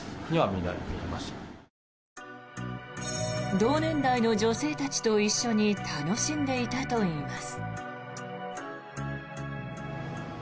同年代の女性たちと一緒に楽しんでいたといいます。